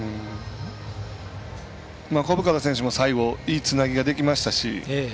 小深田選手も最後いいつなぎができましたし。